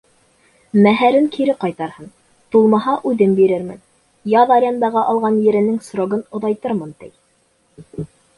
Мәһәрен кире ҡайтарһын, тулмаһа, үҙем бирермен, яҙ арендаға алған еренең срогын оҙайтырмын, ти.